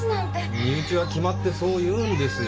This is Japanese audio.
身内は決まってそう言うんですよ。